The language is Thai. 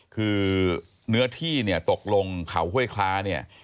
คือเนื้อที่ตกลงเขาห้วยคลา